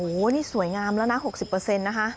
โหนี่สวยงามแล้วนะหกสิบเปอร์เซ็นต์นะคะ